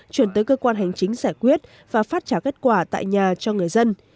chuyển tới cơ quan hành chính giải quyết và phát trả kết quả tại nhà cho người dân